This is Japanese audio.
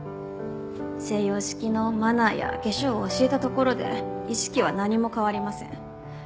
西洋式のマナーや化粧を教えたところで意識は何も変わりません。